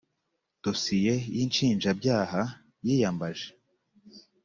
dosiye y inshinjabyaha yiyambaje